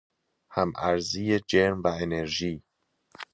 هم ارزی جرم و انرژی